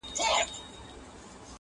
زه لکه نغمه درسره ورک سمه!